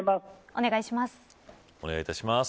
お願いします。